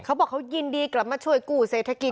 เขาบอกเขายินดีกลับมาช่วยกู้เศรษฐกิจ